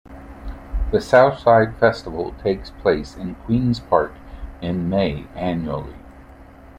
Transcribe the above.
The Southside Festival takes place in Queens Park in May annually.